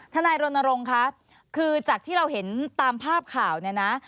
ทนายรณรงค์คะคือจากที่เราเห็นตามภาพข่าวเนี่ยนะ